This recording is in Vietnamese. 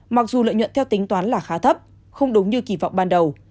mặc dù lợi nhuận theo tính toán là khá thấp không đúng như kỳ vọng ban đầu